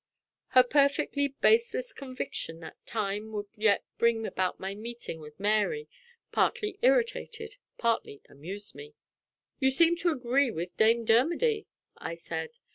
Her perfectly baseless conviction that time would yet bring about my meeting with Mary, partly irritated, partly amused me. "You seem to agree with Dame Dermody," I said.